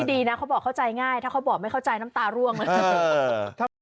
ดีนะเขาบอกเข้าใจง่ายถ้าเขาบอกไม่เข้าใจน้ำตาร่วงเลย